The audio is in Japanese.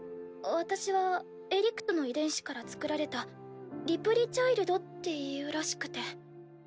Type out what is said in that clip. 私はエリクトの遺伝子からつくられたリプリチャイルドっていうらしくて。